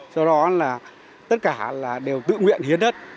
do đó là tất cả là đều tự nguyện hiến đất